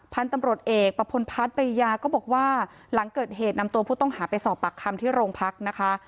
พันธุ์ตำรวจเอกประพลพัฒน์ปริยาก็บอกว่าหลังเกิดเหตุนำตัวผู้ต้องหาไปสอบปากคำที่โรงพักนะคะ